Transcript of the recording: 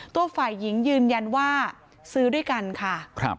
ตัวฝ่ายหญิงยืนยันว่าซื้อด้วยกันค่ะ